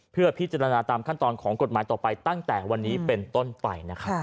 เพื่อพิจารณาตามขั้นตอนของกฎหมายต่อไปตั้งแต่วันนี้เป็นต้นไปนะครับ